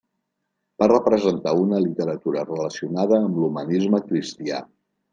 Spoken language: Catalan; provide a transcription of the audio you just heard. Va representar una literatura relacionada amb l'humanisme cristià.